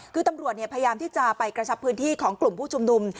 คือตำรวจพยายามที่จะไปกระชับพื้นที่ของกลุ่มผู้ชุมนุม